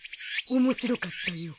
面白かったよ。